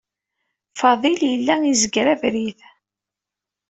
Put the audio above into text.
Fadil yella izegger abrid.